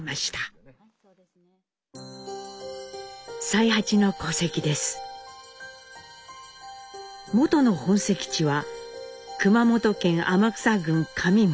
もとの本籍地は熊本県天草郡上村。